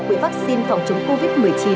quỹ vaccine phòng chống covid một mươi chín